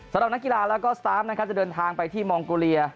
สำหรับนักกีฬาแล้วก็สตาร์ฟนะครับจะเดินทางไปที่มองโกเลีย